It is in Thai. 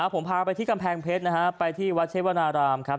ผมพาไปที่กำแพงเพชรนะฮะไปที่วัดเชวนารามครับ